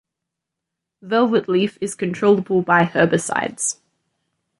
Velvetleaf is controllable by herbicides.